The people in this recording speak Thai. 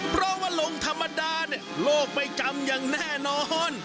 เพราะว่าลงธรรมดาเนี่ยโลกไม่จำอย่างแน่นอน